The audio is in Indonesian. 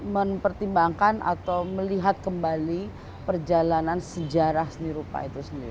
mempertimbangkan atau melihat kembali perjalanan sejarah seni rupa itu sendiri